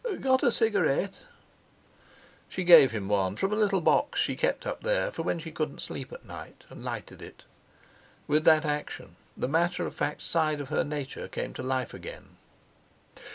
"Got a cigarette?" She gave him one from a little box she kept up there for when she couldn't sleep at night, and lighted it. With that action the matter of fact side of her nature came to life again.